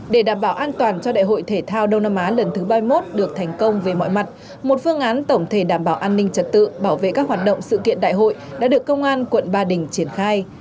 để đảm bảo an toàn cho đại hội thể thao đông nam á lần thứ ba mươi một được thành công về mọi mặt một phương án tổng thể đảm bảo an ninh trật tự bảo vệ các hoạt động sự kiện đại hội đã được công an quận ba đình triển khai